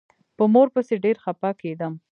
په مور پسې ډېر خپه کېدم.